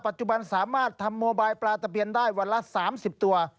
ปัจจุบันสามารถทำโมบายปลาตะเบียนได้วันละ๓๐ตัว